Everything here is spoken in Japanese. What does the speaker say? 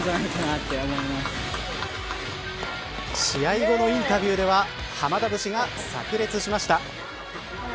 試合後のインタビューでは濱田節がさく裂しました。